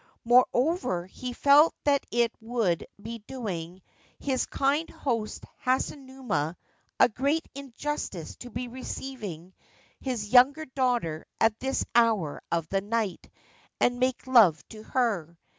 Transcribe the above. Moreover, he felt that it would be doing his kind host Hasunuma a great injustice to be receiving his younger daughter at this hour of the night and make love to her.